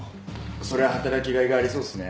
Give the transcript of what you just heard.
そりゃ働きがいがありそうっすね。